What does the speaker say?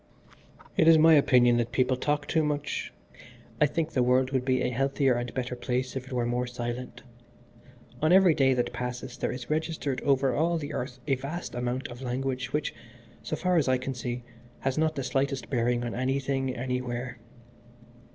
"It is my opinion that people talk too much. I think the world would be a healthier and better place if it were more silent. On every day that passes there is registered over all the earth a vast amount of language which, so far as I can see, has not the slightest bearing on anything anywhere.